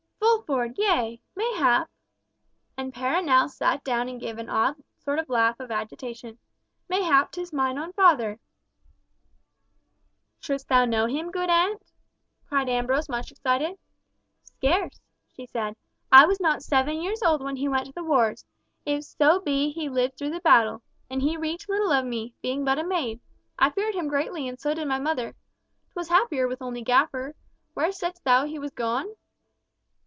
"Fulford, yea! Mayhap—" and Perronel sat down and gave an odd sort of laugh of agitation—"mayhap 'tis mine own father." "Shouldst thou know him, good aunt?" cried Ambrose, much excited. "Scarce," she said. "I was not seven years old when he went to the wars—if so be he lived through the battle—and he reeked little of me, being but a maid. I feared him greatly and so did my mother. 'Twas happier with only Gaffer! Where saidst thou he was gone?"